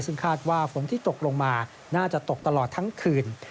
ซึ่งคาดว่าฝนที่ตกลงมาน่าจะตกตลอดทั้งคืน